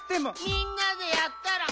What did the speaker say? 「みんなでやったら」